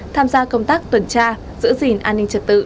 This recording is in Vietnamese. tham gia công tác tuần tra giữ gìn an ninh trật tự